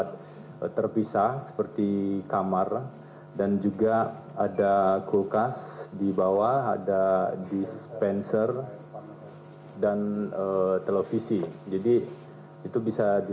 jadi sebelum tanya jawab eh ini memperjelas saja